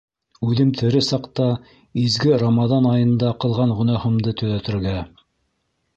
Үҙем тере саҡта, изге рамаҙан айында ҡылған гонаһымды төҙәтергә...